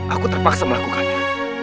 aku terpaksa melakukannya